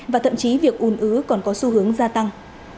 và thậm chí việc ùn ứ còn có xu hướng gia tăng